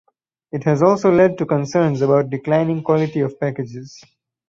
It has also led to concerns about declining quality of packages.